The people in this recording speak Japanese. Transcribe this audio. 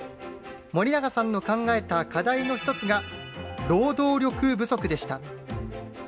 森永さんの考えた課題の一つが、労働力不足でした。